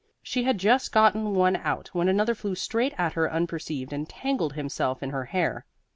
She had just gotten one out when another flew straight at her unperceived and tangled himself in her hair.